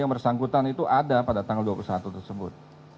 yang bersangkutan itu ada pada tanggal dua puluh satu tersebut